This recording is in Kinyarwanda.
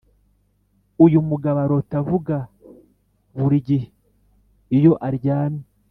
uyumugabo arota avuga buri gihe iyo aryame